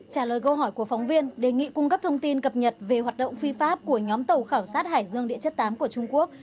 trả lời câu hỏi của phóng viên đề nghị cung cấp thông tin cập nhật về hoạt động phi pháp của nhóm tàu khảo sát hải dương địa chất tám của trung quốc